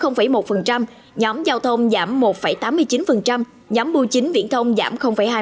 nhóm giao thông giảm một tám mươi chín nhóm bưu chính viễn thông giảm hai mươi năm